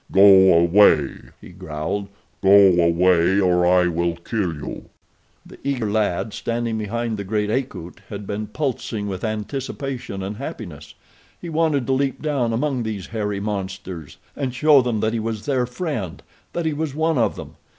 "Go away!" he growled. "Go away, or I will kill you." The eager lad, standing behind the great Akut, had been pulsing with anticipation and happiness. He wanted to leap down among these hairy monsters and show them that he was their friend, that he was one of them.